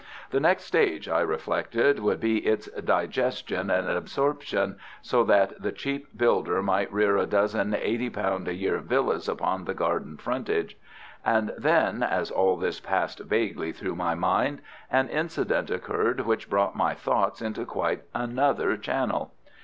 The next stage, I reflected, would be its digestion and absorption, so that the cheap builder might rear a dozen eighty pound a year villas upon the garden frontage. And then, as all this passed vaguely through my mind, an incident occurred which brought my thoughts into quite another channel.